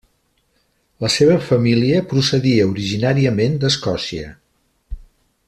La seva família procedia originàriament d'Escòcia.